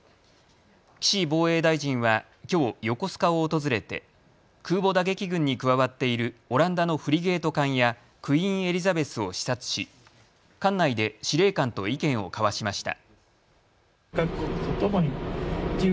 岸防衛大臣はきょう、横須賀を訪れて空母打撃群に加わっているオランダのフリゲート艦やクイーン・エリザベスを視察し艦内で司令官と意見を交わしました。